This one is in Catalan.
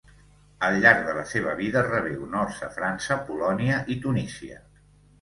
Al llarg de la seva vida rebé honors a França, Polònia i Tunísia.